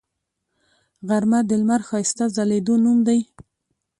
غرمه د لمر ښایسته ځلیدو نوم دی